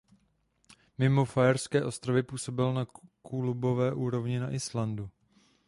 Mimo Faerské ostrovy působil na klubové úrovni na Islandu.